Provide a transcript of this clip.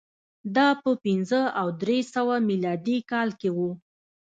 دا په پنځه او درې سوه میلادي کال کې و